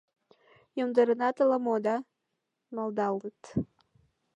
— Йомдаренат ала-мо да? — малдалыт.